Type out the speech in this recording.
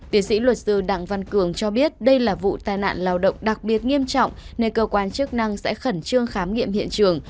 tiến sĩ luật sư đặng văn cường cho biết đây là vụ tai nạn lao động đặc biệt nghiêm trọng nên cơ quan chức năng sẽ khẩn trương khám nghiệm hiện trường